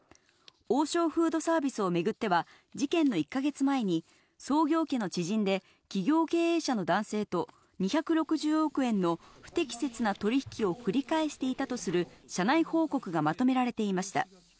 王将フードサービスを巡っては、事件の１か月前に、創業家の知人で、企業経営者の男性と２６０億円の不適切な取り引きを繰り返していたとする社内報告がまとめられていました。